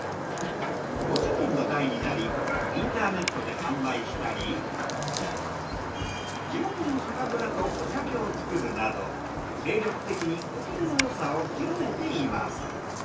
ご主人の代になりインターネットで販売したり地元の酒蔵とお酒を作るなど精力的にお米のよさを広めています。